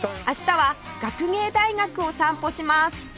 明日は学芸大学を散歩します